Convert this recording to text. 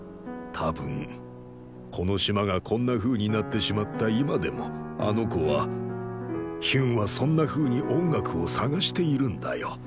多分この島がこんなふうになってしまった今でもあの子はヒュンはそんなふうに音楽を探しているんだよ。